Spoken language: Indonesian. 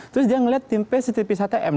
terus dia ngeliat tempe setiap wisata em